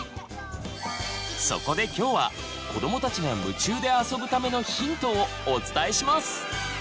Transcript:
そこで今日は子どもたちが夢中であそぶためのヒントをお伝えします！